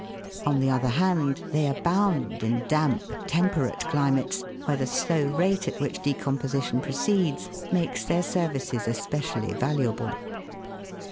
On the other hand, they abound in damp tern 216 THE WORLD'S LUMBER Roozr. perate climates, where the slow rate at which decomposition proceeds makes their services especially valuable.